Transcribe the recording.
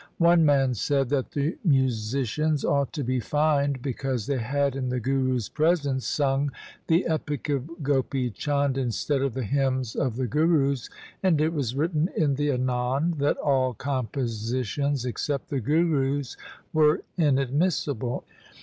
One man said that the musicians ought to be fined because they had in the Guru's presence sung the epic of Gopi Chand instead of the hymns of the Gurus, and it was written in the Anand that all compositions except the Gurus' were inadmissible.